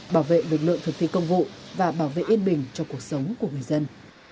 bảo vệ lực lượng thực thi công vụ và bảo vệ yên bình cho cuộc sống của người dân